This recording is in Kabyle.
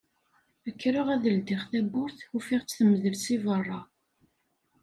Kkreɣ ad ldiɣ tawwurt ufiɣ-tt temdel si berra.